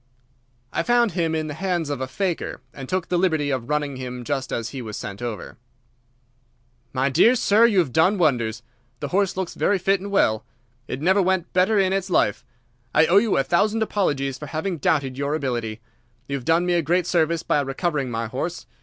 "I found him in the hands of a faker, and took the liberty of running him just as he was sent over." "My dear sir, you have done wonders. The horse looks very fit and well. It never went better in its life. I owe you a thousand apologies for having doubted your ability. You have done me a great service by recovering my horse.